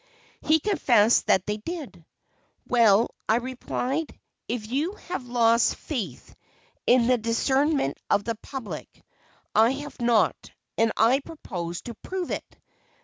He confessed that they did. "Well," I replied, "if you have lost faith in the discernment of the public, I have not, and I propose to prove it."